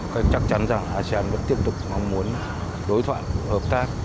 và chắc chắn rằng asean vẫn tiếp tục mong muốn đối thoại hợp tác